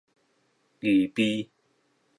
予備